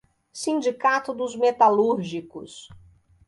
Sindicato dos metalúrgicos